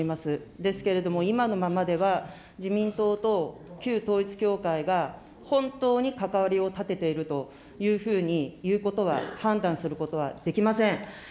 ですけれども、今のままでは、自民党と旧統一教会が本当に関わりを断てているというふうに言うことは、判断することはできません。